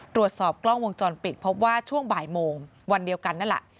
ตรวจสอบกล้องวงจรปิดพบว่าช่วงบ่ายโมงวันเดียวกันนั่นแหละ